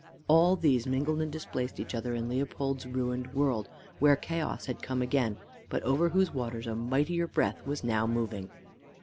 All these mingled and displaced each other in Leopold's ruined world, where chaos had come again, but over whose waters a mightier breath was now moving.